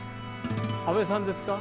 阿部さんですか？